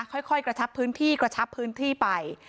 ค่อยกระชับพื้นที่กระชับพื้นที่ไป